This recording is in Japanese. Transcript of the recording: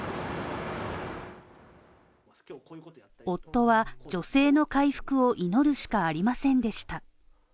夫は女性の回復を祈るしかありませんでした。